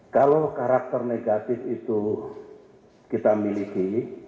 kalau karakter negatif itu kita miliki